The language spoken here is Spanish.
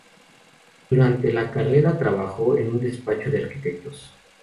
Durante la carrera trabajó en un despacho de arquitectos.